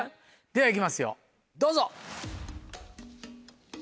では行きますよどうぞ。